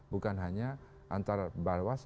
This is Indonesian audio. bukan hanya antar barwas